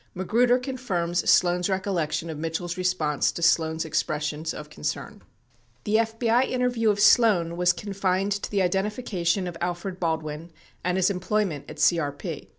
63 Magruder confirms Sloan's recollection of Mitchell's response to Sloan's expressions of concern. 64 The FBI interview of Sloan was confined to the identification of Alfred Baldwin and his employment at CRP.